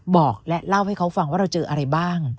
บอกและเล่าให้เขาฟังว่าเราเจออะไรบ้าง